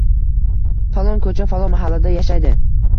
Falon ko`cha, falon mahallada yashaydi